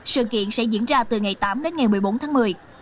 sự kiện sẽ diễn ra từ ngày tám đến ngày một mươi bốn tháng một mươi